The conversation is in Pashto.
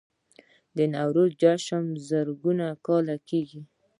د نوروز جشن زرګونه کاله کیږي